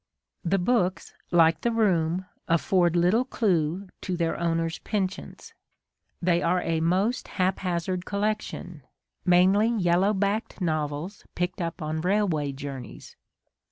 The books, like the room, aff'ord little clue to their owner's penchants. They are A DAY WITH WILLIAM MORRIS. a most haphazard collection, mainly yellow backed novels picked up on railway journeys.